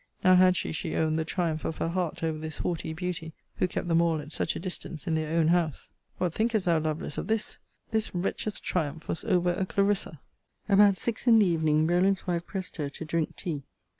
Now had she, she owned, the triumph of her heart over this haughty beauty, who kept them all at such a distance in their own house! What thinkest thou, Lovelace, of this! This wretch's triumph was over a Clarissa! About six in the evening, Rowland's wife pressed her to drink tea.